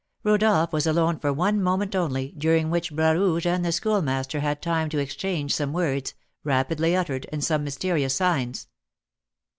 Rodolph was alone for one moment only, during which Bras Rouge and the Schoolmaster had time to exchange some words, rapidly uttered, and some mysterious signs.